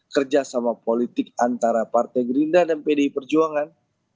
kerja sama politik antara partai gerinda dan pdi perjuangan